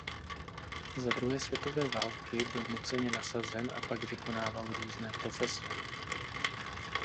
Za druhé světové války byl nuceně nasazen a pak vykonával různé profese.